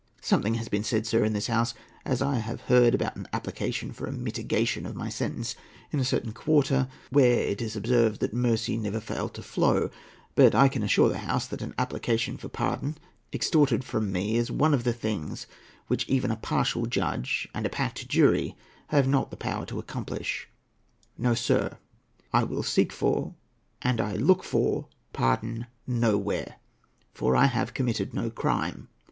"Something has been said, sir, in this House, as I have heard, about an application for a mitigation of my sentence, in a certain quarter, where, it is observed, that mercy never failed to flow; but I can assure the House that an application for pardon, extorted from me, is one of the things which even a partial judge and a packed jury have not the power to accomplish. No, sir; I will seek for, and I look for, pardon nowhere, for I have committed no crime.